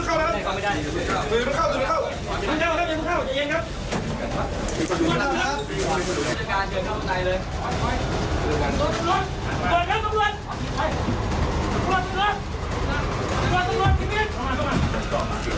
ช่วยในสดงนิ้ว